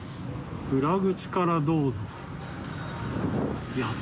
「うら口からどうぞ」